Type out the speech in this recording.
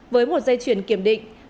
với một dây chuyển kiểm định